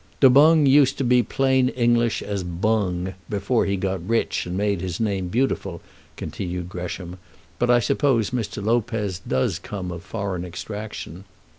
"Du Boung used to be plain English as Bung before he got rich and made his name beautiful," continued Gresham, "but I suppose Mr. Lopez does come of foreign extraction."